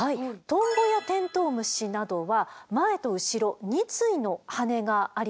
トンボやテントウムシなどは前と後ろ２対の羽がありますよね。